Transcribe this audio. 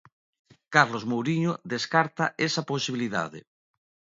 Carlos Mouriño descarta esa posibilidade.